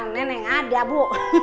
neneng ada bu